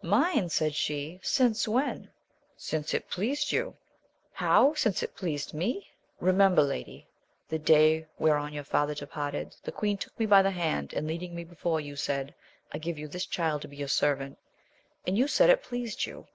Mine! said she, since when?— Since it pleased you. — How since it pleased me ?— Kemember, lady, the day whereon your father departed, the queen took me by the hand, and leading me before you, said, I give you this child to be your servant ; and you said it pleased you.